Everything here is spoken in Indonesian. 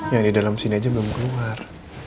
yang di dalam sini aja belum keluar